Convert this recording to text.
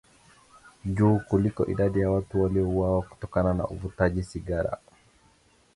juu kuliko idadi ya watu waliouawa kutokana na uvutaji sigara